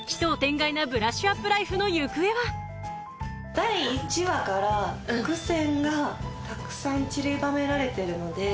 第１話から伏線がたくさんちりばめられてるので。